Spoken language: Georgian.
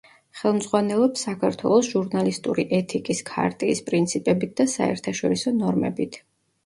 ხელმძღვანელობს საქართველოს ჟურნალისტური ეთიკის ქარტიის პრინციპებით და საერთაშორისო ნორმებით.